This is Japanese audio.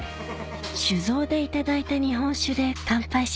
酒造で頂いた日本酒で乾杯しましょう